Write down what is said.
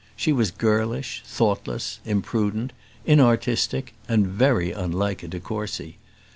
She was girlish, thoughtless, imprudent, inartistic, and very unlike a de Courcy.